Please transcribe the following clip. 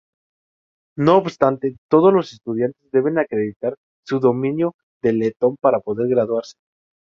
No obstante, todos los estudiantes deben acreditar su dominio del letón para poder graduarse.